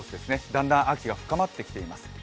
だんだん秋が深まってきています。